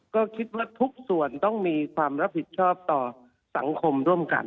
ก็คิดว่าทุกส่วนต้องมีความรับผิดชอบต่อสังคมร่วมกัน